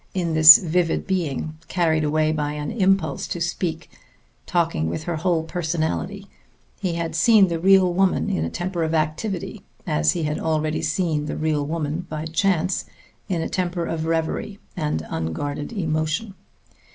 In this vivid being, carried away by an impulse to speak, talking with her whole personality, he had seen the real woman in a temper of activity, as he had already seen the real woman by chance in a temper of reverie and unguarded emotion.